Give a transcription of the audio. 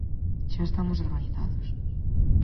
Xa estamos organizados.